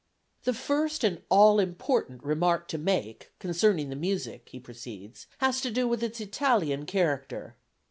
"The first and all important remark to make concerning the music," he proceeds, "has to do with its Italian character.